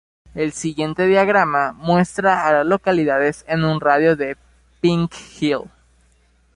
El siguiente diagrama muestra a las localidades en un radio de de Pink Hill.